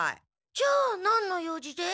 じゃあなんの用事で？